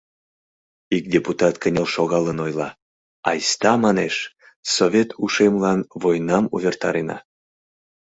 Ик депутат кынел шогалын ойла: «Айста, — манеш, — Совет Ушемлан войнам увертарена».